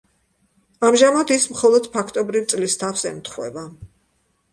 ამჟამად ის მხოლოდ ფაქტობრივ წლისთავს ემთხვევა.